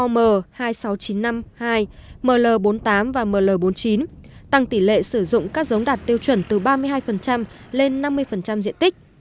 sáu trăm chín mươi năm hai ml bốn mươi tám và ml bốn mươi chín tăng tỷ lệ sử dụng các giống đạt tiêu chuẩn từ ba mươi hai lên năm mươi diện tích